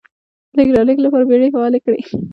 د لېږد رالېږد لپاره بېړۍ فعالې کړې.